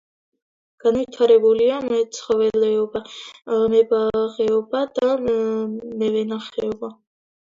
განვითარებულია მეცხოველეობა, მებაღეობა და მევენახეობა.